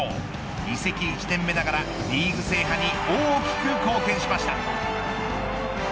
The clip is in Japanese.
移籍１年目ながらリーグ制覇に大きく貢献しました。